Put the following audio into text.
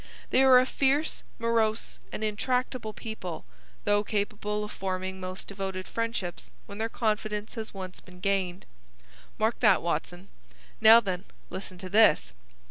They are a fierce, morose, and intractable people, though capable of forming most devoted friendships when their confidence has once been gained.' Mark that, Watson. Now, then, listen to this.